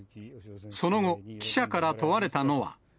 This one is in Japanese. その後、記者から問われたのは。